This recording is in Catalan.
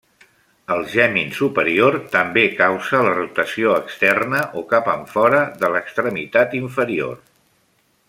El gemin superior també causa la rotació externa o cap enfora de l'extremitat inferior.